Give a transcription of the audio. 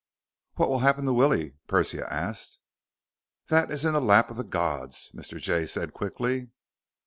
"What will happen to Willie?" Persia asked. "That's in the lap of the gods," Mr. Jay said quickly.